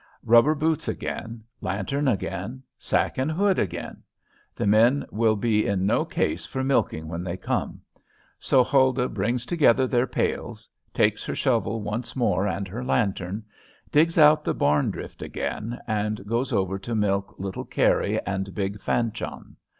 Rubber boots again, lantern again, sack and hood again. The men will be in no case for milking when they come. So Huldah brings together their pails, takes her shovel once more and her lantern, digs out the barn drift again, and goes over to milk little Carry and big Fanchon.